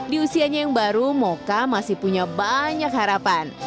di usianya yang baru moka masih punya banyak harapan